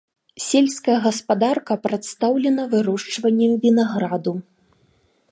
Сельская гаспадарка прадстаўлена вырошчваннем вінаграду.